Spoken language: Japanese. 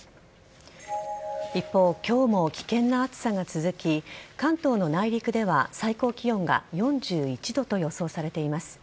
一方、今日も危険な暑さが続き関東の内陸では最高気温が４１度と予想されています。